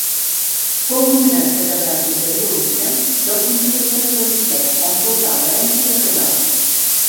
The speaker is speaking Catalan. Fou nomenat catedràtic de violoncel del Conservatori del Liceu, on portà l'herència de Casals.